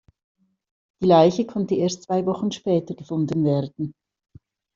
Die Leiche konnte erst zwei Wochen später gefunden werden.